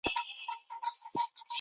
ځينې ژباړې ټکي په ټکي کېږي.